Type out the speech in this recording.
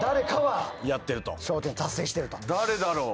誰だろう？